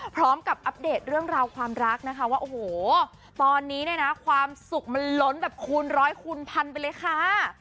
อัปเดตเรื่องราวความรักนะคะว่าโอ้โหตอนนี้เนี่ยนะความสุขมันล้นแบบคูณร้อยคูณพันไปเลยค่ะ